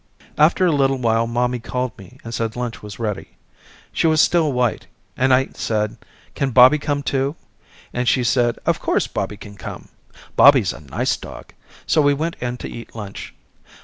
After a little while mommy called me and said lunch was ready. She was still white and I said can Bobby come too and she said of course Bobby can come, Bobby's a nice dog, so we went in to eat lunch.